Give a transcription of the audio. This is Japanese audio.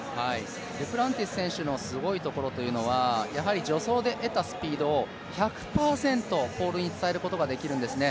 デュプランティス選手のすごいところは助走で得たスピードを１００％ポールに伝えることができるんですね。